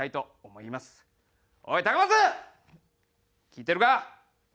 聞いてるか？